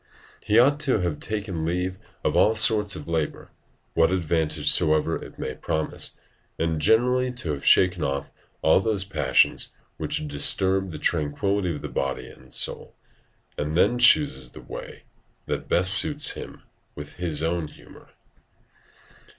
He ought to have taken leave of all sorts of labour, what advantage soever it may promise, and generally to have shaken off all those passions which disturb the tranquillity of body and soul, and then choose the way that best suits with his own humour: "Unusquisque sua noverit ire via."